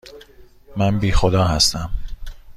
من بی خدا هستم.